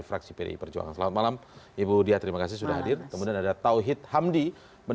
pak tauhid terima kasih sudah hadir